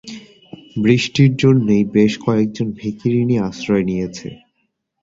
বৃষ্টির জন্যেই বেশ কয়েকজন ভিখিরিণী আশ্রয় নিয়েছে।